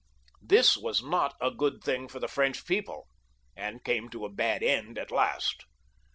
This was not a good thing for the French people, and came to a bad end at last.